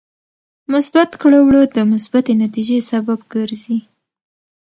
مثبت کړه وړه د مثبتې نتیجې سبب ګرځي.